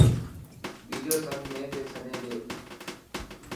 ٻيجو سب مين تي ڇڏي ڏي.